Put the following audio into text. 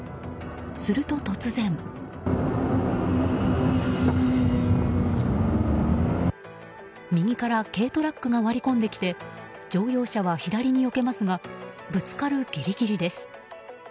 すると、突然右から軽トラックが割り込んできて乗用車は左によけますがぶつかるぎりぎりです。